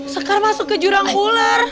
sekar masuk ke jurang ular